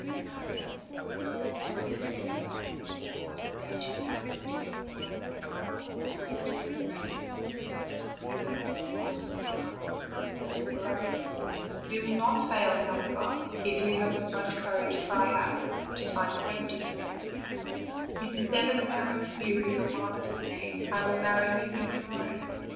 Know, then, Sir Ambassador, that I saw you with admiration mounted on your fine prancing horse, and regretted that you had come hither on the part of another instead of your own: we will not fail, however, if you have as much courage as I have, to find a remedy for this; instead of marrying you in your master's name, I will marry you in your own.